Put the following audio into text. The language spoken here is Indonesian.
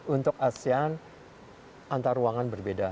untuk asean antar ruangan berbeda